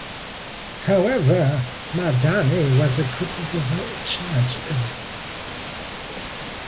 However, Mahdani was acquitted of all charges.